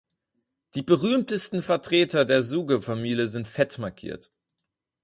Die berühmtesten Vertreter der Zhuge-Familie sind fett markiert.